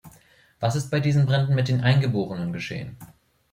Was ist bei diesen Bränden mit den Eingeborenen geschehen?